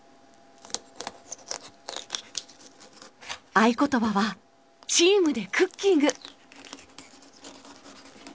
合言葉はチームでクッキング！